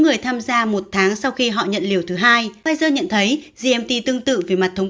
người tham gia một tháng sau khi họ nhận liều thứ hai perer nhận thấy gmt tương tự về mặt thống